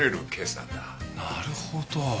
なるほど。